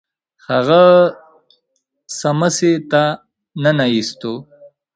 هغه سمڅې ته ننه ایستو.